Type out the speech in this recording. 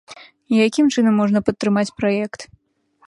Якім чынам можна падтрымаць праект?